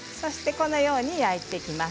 このように焼いていきます。